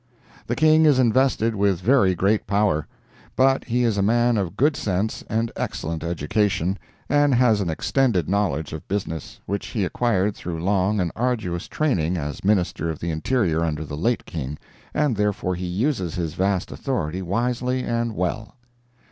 The King is invested with very great power. But he is a man of good sense and excellent education, and has an extended knowledge of business, which he acquired through long and arduous training as Minister of the Interior under the late King, and therefore he uses his vast authority wisely and well.